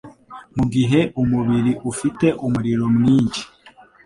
Mu gihe umubiri ufite umuriro mwinshi,